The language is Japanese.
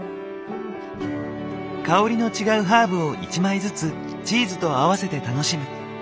香りの違うハーブを１枚ずつチーズと合わせて楽しむ。